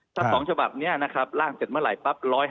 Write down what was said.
ถ้าต้องฉบับเนี้ยนะครับล่างเจ็ดเมื่อไหร่ปั๊บ